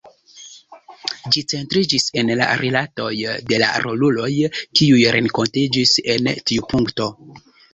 Ĝi centriĝis en la rilatoj de la roluloj, kiuj renkontiĝis en tiu punkto.